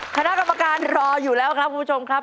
คณะกรรมการรออยู่แล้วครับคุณผู้ชมครับ